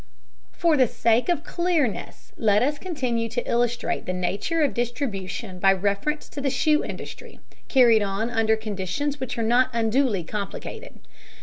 For the sake of clearness, let us continue to illustrate the nature of distribution by reference to the shoe industry, carried on under conditions which are not unduly complicated.